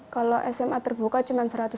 kalau sma terbuka cuma rp seratus